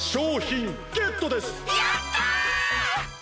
やった！